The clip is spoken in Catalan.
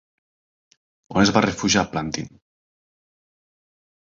On es va refugiar Plantin?